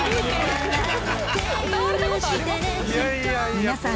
皆さん